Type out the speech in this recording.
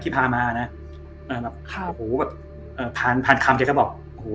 พี่พามานะแบบโอ้โหแบบเอ่อผ่านคำแกก็บอกโอ้โห